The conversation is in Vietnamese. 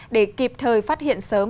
để kịp thời phát hiện sớm